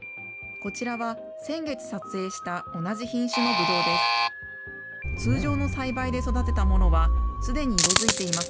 こちらは先月撮影した同じ品種のぶどうです。